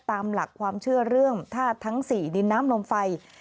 ตามหลักความเชื่อเรื่องธาตุทั้ง๔ดินน้ำลมไฟ